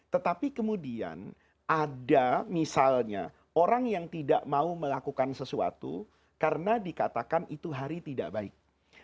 tetapi kemudian ada misalnya orang yang tidak mau melakukan sesuatu karena dikatakan itu hari tidak baik